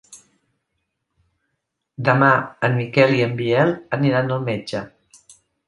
Demà en Miquel i en Biel aniran al metge.